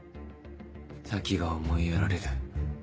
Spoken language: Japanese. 先が思いやられる。